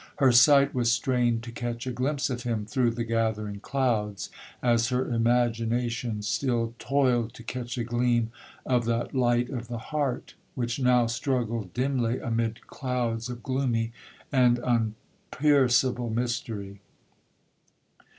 Her sight was strained to catch a glimpse of him through the gathering clouds, as her imagination still toiled to catch a gleam of that light of the heart, which now struggled dimly amid clouds of gloomy and unpierceable mystery.